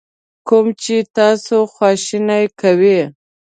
کوم چې تاسو خواشینی کوي.